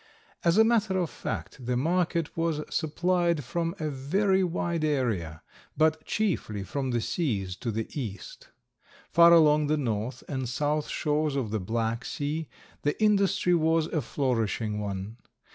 As a matter of fact the market was supplied from a very wide area, but chiefly from the seas to the east. Far along the north and south shores of the Black Sea the industry was a flourishing one.